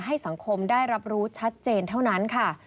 ให้สังคมได้รับรู้ชัดเจนเท่านั้นค่ะ